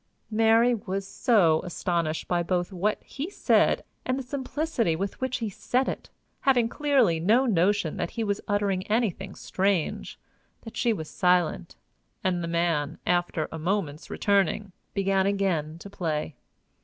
Mary was so astonished both by what he said and the simplicity with which he said it, having clearly no notion that he was uttering anything strange, that she was silent, and the man, after a moment's retuning, began again to play.